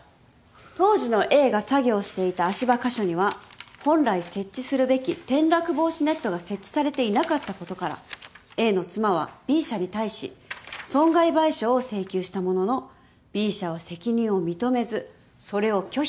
当時のＡが作業していた足場箇所には本来設置するべき転落防止ネットが設置されていなかったことからＡの妻はＢ社に対し損害賠償を請求したもののＢ社は責任を認めずそれを拒否している。